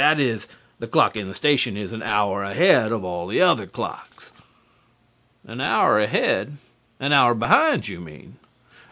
That is, the clock in the station is an hour ahead of all the other clocks." "An hour ahead? An hour behind, you mean."